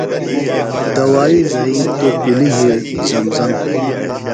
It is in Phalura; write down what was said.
دوائی زھئی توۡ پِلہ یِھیڑ زم زم۔